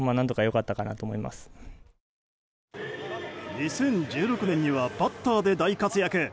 ２０１６年にはバッターで大活躍。